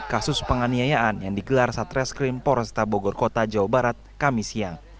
kasus penganiayaan yang digelar saat reskrim poresta bogor kota jawa barat kami siang